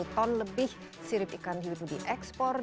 empat puluh ton lebih sirip ikan hiu itu dieksplorasi